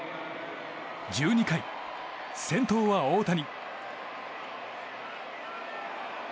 １２回、先頭は大谷。